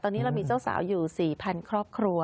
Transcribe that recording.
ตอนนี้เรามีเจ้าสาวอยู่๔๐๐ครอบครัว